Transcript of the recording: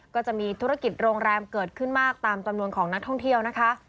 ก็จะมีธุรกิจโรงแรมเกิดขึ้นมากตามจำนวนของนักท่องเที่ยวนะคะ